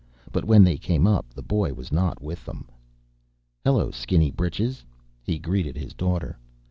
But when they came up, the boy was not with them. "Hello, skinny britches," he greeted his daughter.